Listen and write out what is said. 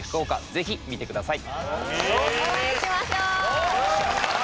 ぜひ見てください。